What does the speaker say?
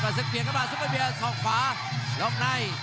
ยอบอับสืบเปลี่ยนเข้ามาซุปเปอร์เบียร์ส่องขวาล้อมใน